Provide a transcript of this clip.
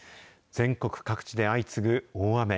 全国各地で相次ぐ大雨。